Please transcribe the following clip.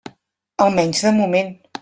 Almenys de moment.